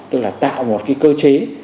tức là tạo một cái cơ chế